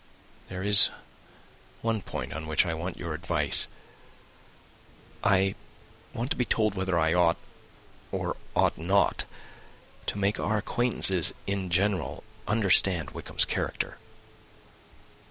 There is one point on which I want your advice. I want to be told whether I ought, or ought not, to make our acquaintance in general understand Wickham's character."